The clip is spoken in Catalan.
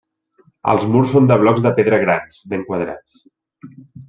Els murs són de blocs de pedra grans, ben quadrats.